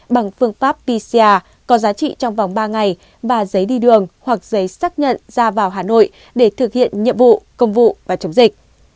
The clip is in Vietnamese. bằng phương pháp pcr có giá trị trong vòng ba ngày và giấy đi đường hoặc giấy xác nhận ra vào hà nội để thực hiện nhiệm vụ công vụ và chống dịch